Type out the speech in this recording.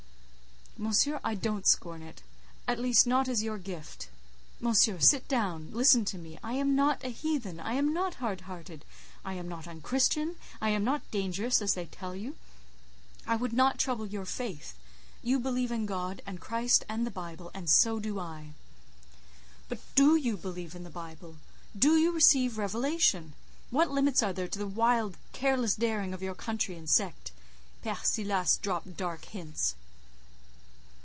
"Monsieur, I don't scorn it—at least, not as your gift. Monsieur, sit down; listen to me. I am not a heathen, I am not hard hearted, I am not unchristian, I am not dangerous, as they tell you; I would not trouble your faith; you believe in God and Christ and the Bible, and so do I." "But do you believe in the Bible? Do you receive Revelation? What limits are there to the wild, careless daring of your country and sect. Père Silas dropped dark hints."